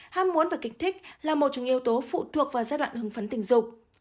ham muốn và kích thích là một trong yếu tố phụ thuộc vào giai đoạn hương phấn tình dục